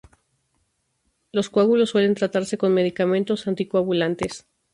Los coágulos suelen tratarse con medicamentos anticoagulantes.